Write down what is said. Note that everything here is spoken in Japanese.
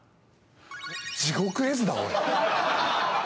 地獄絵図だ、おい。